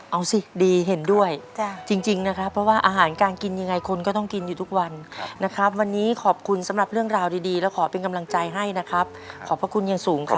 เอาสิดีเห็นด้วยจริงนะครับเพราะว่าอาหารการกินยังไงคนก็ต้องกินอยู่ทุกวันนะครับวันนี้ขอบคุณสำหรับเรื่องราวดีและขอเป็นกำลังใจให้นะครับขอบพระคุณอย่างสูงครับ